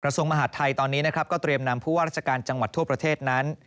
ส่วนมหาดไทยตอนนี้นะครับก็เตรียมนำผู้ว่าราชการจังหวัดทั่วประเทศนั้น